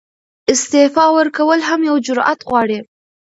استعفاء ورکول هم یو جرئت غواړي.